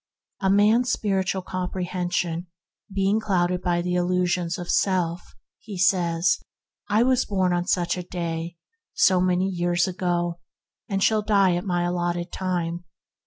A man's spiritual comprehension being clouded by the illusions of self, he says, 98 THE HEAVENLY LIFE "I was born on such a day, so many years ago, and shall die at my allotted time."